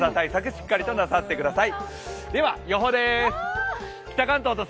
しっかりとなさってください。